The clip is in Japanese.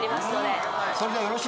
それではよろしいですか？